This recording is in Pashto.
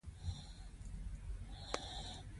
عدل د پاچاهۍ څه دی؟